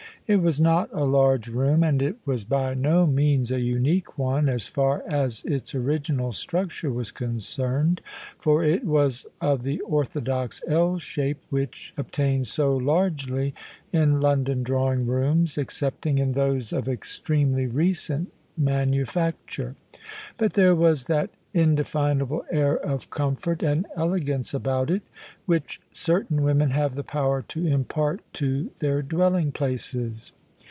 It was not a large room, and it was by no means a unique one as far as its original structure was concerned, for it was of the orthodox 'L' sh^e which ob tains so largely in London drawing rooms, excepting in those of extremely recent manufacture: but there was that inde finable air of comfort and elegance about it, which certain women have the power to impart to their dwelling places.